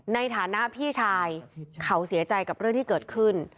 ในฐานะพี่ชายเขาเสียใจกับเรื่องที่เกิดขึ้น